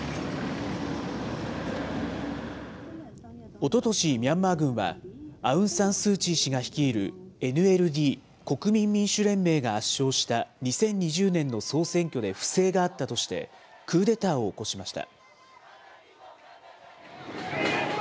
おととし、ミャンマー軍は、アウン・サン・スー・チー氏が率いるＮＬＤ・国民民主連盟が圧勝した２０２０年の総選挙で不正があったとして、クーデターを起こしました。